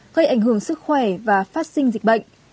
gây ảnh hưởng sức khỏe và phát sinh dịch bệnh